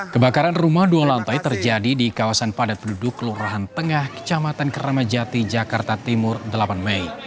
kebakaran rumah dua lantai terjadi di kawasan padat penduduk kelurahan tengah kecamatan keramajati jakarta timur delapan mei